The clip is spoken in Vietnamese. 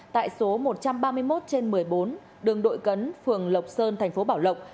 tại số một trăm ba mươi một trên một mươi bốn đường đội cấn phường lộc sơn thành phố bảo lộc